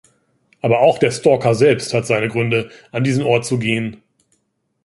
Aber auch der Stalker selbst hat seine Gründe, an diesen Ort zu gehen.